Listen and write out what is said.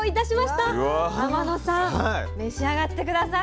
天野さん召し上がって下さい。